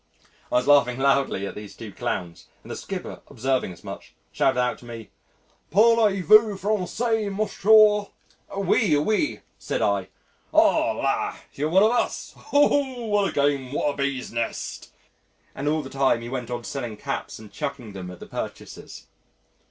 I was laughing loudly at these two clowns and the skipper observing as much, shouted out to me, "Parlez vous Francois, M'sieur?" "Oui, oui," said I. "Ah! lah, you're one of us oh! what a game! what a bees' nest," and all the time he went on selling caps and chucking them at the purchasers.